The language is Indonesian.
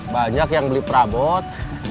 banyak yang beli prabot